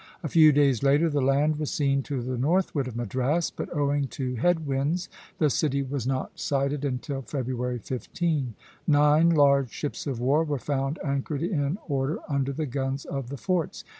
A few days later the land was seen to the northward of Madras; but owing to head winds the city was not sighted until February 15. Nine large ships of war were found anchored in order under the guns of the forts.